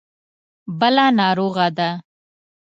بله ناروغه ده.